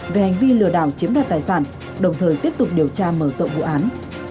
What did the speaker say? về hành vi lừa đảo chiếm đoạt tài sản đồng thời tiếp tục điều tra mở rộng vụ án